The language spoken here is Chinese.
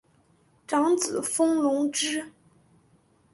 长子封隆之。